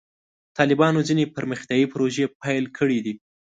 طالبانو ځینې پرمختیایي پروژې پیل کړې دي.